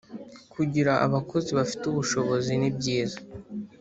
Kugira abakozi bafite ubushobozi nibyiza